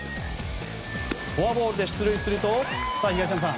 フォアボールで出塁すると東山さん